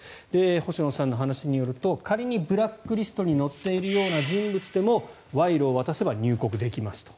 星野さんの話によると仮にブラックリストに載っているような人物でも賄賂を渡せば入国できますと。